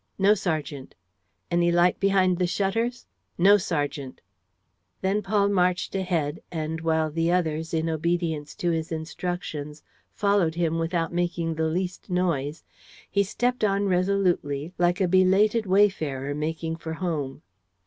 "No, sergeant." "Any light behind the shutters?" "No, sergeant." Then Paul marched ahead and, while the others, in obedience to his instructions, followed him without making the least noise, he stepped on resolutely, like a belated wayfarer making for home.